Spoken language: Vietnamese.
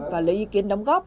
và lấy ý kiến đóng góp